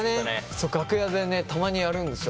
そう楽屋でねたまにやるんですよ。